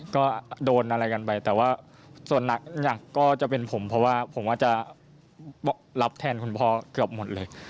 ก็โดนอะไรกันไปแต่ว่าส่วนหนักก็จะเป็นผมเพราะว่าผมว่าจะรับแทนคุณพ่อเกือบหมดเลย